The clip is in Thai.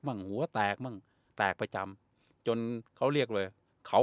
หัวแตกมั่งแตกประจำจนเขาเรียกเลยเขา